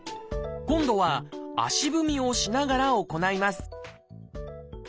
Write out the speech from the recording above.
今度は足踏みをしながら行います